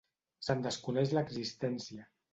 Se'n desconeix l'existència.